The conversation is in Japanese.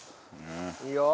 いいよ。